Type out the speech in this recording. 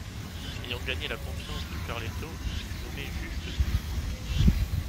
Ayant gagné la confiance de Carleton, il fut nommé juge de paix.